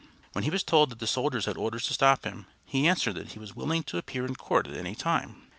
When he was told that the soldiers had orders to stop him, he answered that he was willing to appear in court at any time.